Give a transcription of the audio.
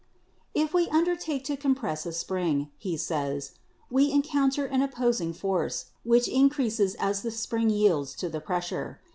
"If we undertake to compress a spring," he says, "we encounter an opposing force which increases as the spring yields to the pressure.